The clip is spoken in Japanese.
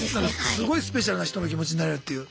すごいスペシャルな人の気持ちになれるっていう。